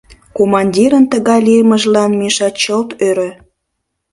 Командирын тыгай лиймыжлан Миша чылт ӧрӧ.